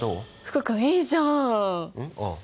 福君いいじゃん！ん？ああ。